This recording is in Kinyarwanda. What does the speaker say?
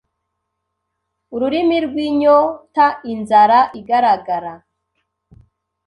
Ururimi rwinyotainzara igaragara